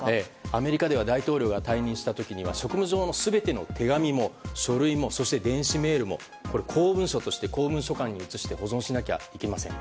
アメリカでは大統領が退任した時には職務上の全ての手紙も書類も電子メールも全て公文書館に移して保存しなきゃいけません。